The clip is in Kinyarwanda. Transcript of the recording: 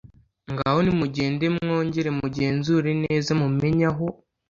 Ngaho nimugende mwongere mugenzure neza mumenye aho